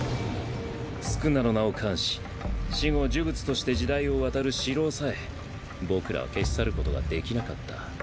宿儺の名を冠し死後呪物として時代を渡る死蝋さえ僕らは消し去ることができなかった。